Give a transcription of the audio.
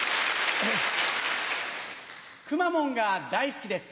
くまモンが大好きです。